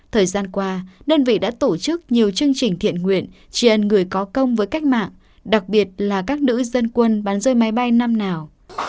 thời gian qua đơn vị đã tổ chức nhiều chương trình thiện nguyện tri ân người có công với cách mạng đặc biệt là các nữ dân quân bán rơi máy bay năm nào